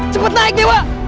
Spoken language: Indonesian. cepet naik dewa